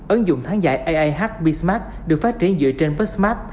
ấn dụng thắng giải aih besmart được phát triển dựa trên besmart